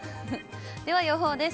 では予報です。